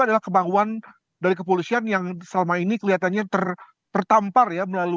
adalah kebanguan dari kepolisian yang selama ini kelihatannya tertampar